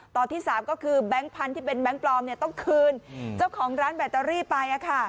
ตอนที่๓ก็คือแบงค์พันธุ์ที่เป็นแบงค์ปลอมต้องคืนเจ้าของร้านแบตเตอรี่ไป